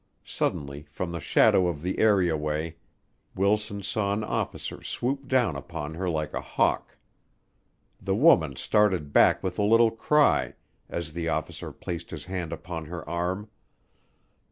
Suddenly, from the shadow of the area way, Wilson saw an officer swoop down upon her like a hawk. The woman started back with a little cry as the officer placed his hand upon her arm.